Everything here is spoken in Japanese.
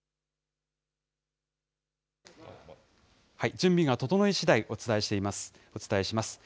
準備が整いしだい、お伝えします。